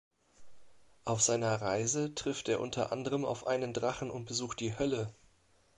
Auf seiner Reise trifft er unter anderem auf einen Drachen und besucht die Hölle.